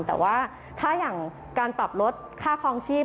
แต่ว่าถ้าอย่างการปรับลดค่าคลองชีพ